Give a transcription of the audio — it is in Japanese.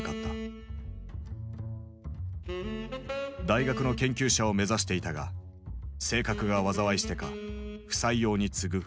大学の研究者を目指していたが性格が災いしてか不採用に次ぐ不採用。